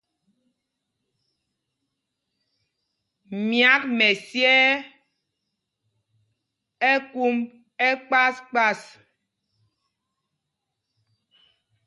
Myâk mɛsyɛɛ ú kumb ɛkpas kpas.